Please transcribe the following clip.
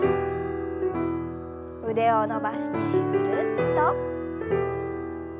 腕を伸ばしてぐるっと。